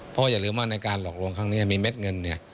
เพราะอย่าลืมว่าในการหลอกลวงครั้งนี้มีเม็ดเงินเนี่ย